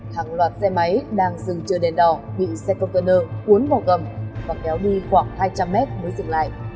hàng loạt xe máy đang dừng chờ đèn đỏ bị xe container cuốn vào gầm và kéo đi khoảng hai trăm linh mét mới dừng lại